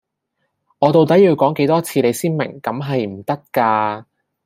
我到底要講幾多次你先明咁係唔得架